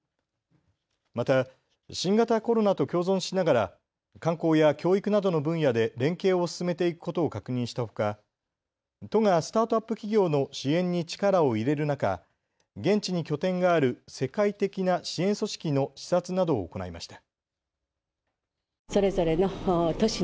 また新型コロナと共存しながら観光や教育などの分野で連携を進めていくことを確認したほか、都がスタートアップ企業の支援に力を入れる中、現地に拠点がある世界的な支援組織の視察などを行いました。